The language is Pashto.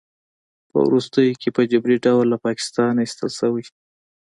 په وروستیو کې په جبري ډول له پاکستانه ایستل شوی